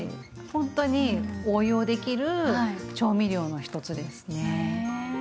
本当に応用できる調味料の一つですね。